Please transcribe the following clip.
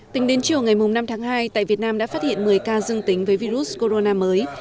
tính đến chiều ngày năm tháng hai tại việt nam đã phát hiện một mươi ca dương tính với virus corona mới